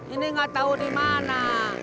ini nggak tahu di mana